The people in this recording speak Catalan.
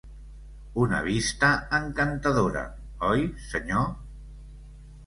Una vista encantadora, oi, senyor?